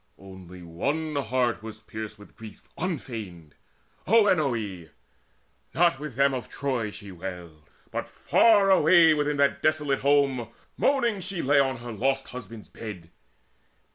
One only heart was pierced with grief unfeigned, Oenone. Not with them of Troy she wailed, But far away within that desolate home Moaning she lay on her lost husband's bed.